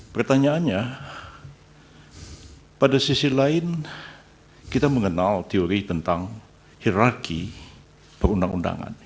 pertanyaannya pada sisi lain kita mengenal teori tentang hiraki perundang undangan